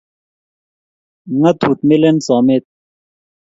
Ngatut melen someet